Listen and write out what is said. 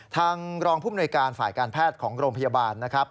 ทางรองภูมิหน่วยการฝ่ายการแพทย์ของโรงพยาบาลนะครับ